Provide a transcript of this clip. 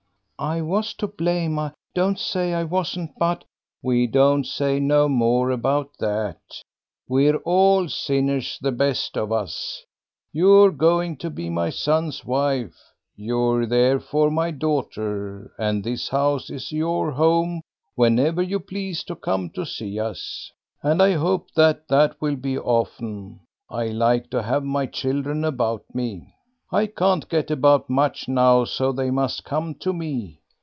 "I was to blame; I don't say I wasn't, but " "We won't say no more about that. We're all sinners, the best of us. You're going to be my son's wife; you're therefore my daughter, and this house is your home whenever you please to come to see us. And I hope that that will be often. I like to have my children about me. I can't get about much now, so they must come to me.